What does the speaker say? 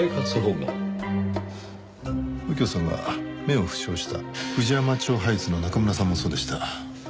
右京さんが目を負傷した藤山町ハイツの中村さんもそうでした。